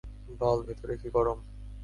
বাল, ভেতরে কী গরম।